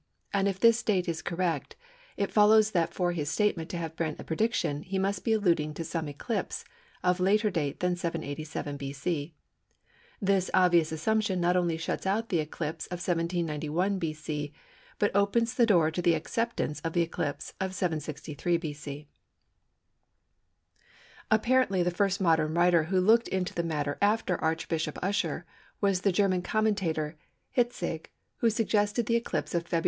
and if this date is correct it follows that for his statement to have been a prediction he must be alluding to some eclipse of later date than 787 B.C. This obvious assumption not only shuts out the eclipse of 791 B.C., but opens the door to the acceptance of the eclipse of 763 B.C. Apparently the first modern writer who looked into the matter after Archbishop Usher was the German commentator Hitzig who suggested the eclipse of Feb.